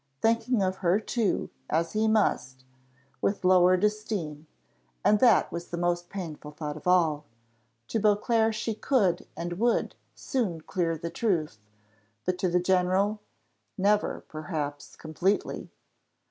thinking of her too, as he must, with lowered esteem, and that was the most painful thought of all; to Beauclerc she could and would soon clear her truth, but to the general never, perhaps, completely!